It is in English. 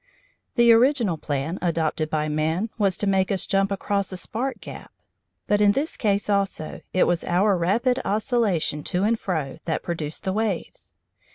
The original plan adopted by man was to make us jump across a spark gap, but in this case also it was our rapid oscillation to and fro that produced the waves.